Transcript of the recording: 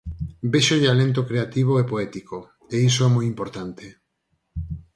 Véxolle alento creativo e poético, e iso é moi importante.